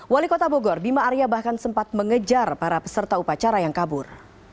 wali kota bogor bima arya bahkan sempat mengejar para peserta upacara yang kabur